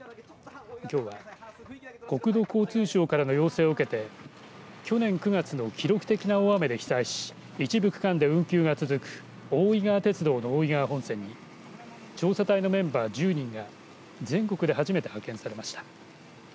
きょうは国土交通省からの要請を受けて去年９月の記録的な大雨で被災し一部区間で運休が続く大井川鉄道の大井川本線に調査隊のメンバー１０人が全国で初めて派遣されました。